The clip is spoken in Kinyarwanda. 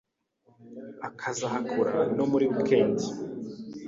akazahakora no muri week end.